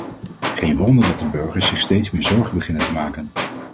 Geen wonder dat de burgers zich steeds meer zorgen beginnen te maken.